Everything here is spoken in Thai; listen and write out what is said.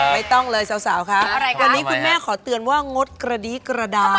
ไม่ต้องเลยสาวคะวันนี้คุณแม่ขอเตือนว่างดกระดี้กระดาน